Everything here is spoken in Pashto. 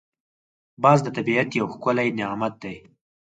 باز د طبیعت یو ښکلی نعمت دی